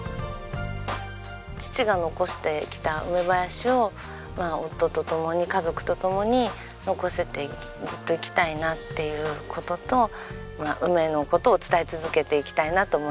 義父が残してきた梅林をまあ夫と共に家族と共に残してずっといきたいなっていう事と梅の事を伝え続けていきたいなと思います。